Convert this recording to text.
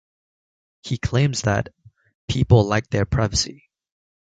He claims that, People like their privacy.